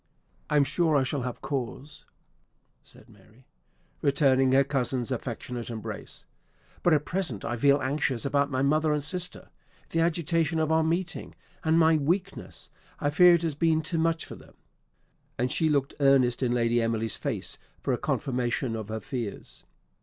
"I am sure I shall have cause," said Mary, returning her cousin's affectionate embrace; "but at present I feel anxious about my mother and sister. The agitation of our meeting, and my weakness, I fear it has been too much for them;" and she looked earnest in Lady Emily's face for a confirmation of her fears.